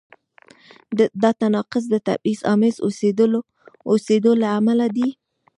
دا تناقض د تبعیض آمیز اوسېدو له امله دی.